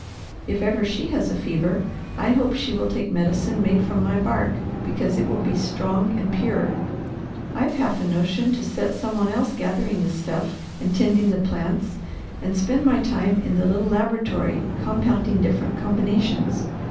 If ever she has a fever, I hope she will take medicine made from my bark, because it will be strong and pure. I've half a notion to set some one else gathering the stuff and tending the plants and spend my time in the little laboratory compounding different combinations.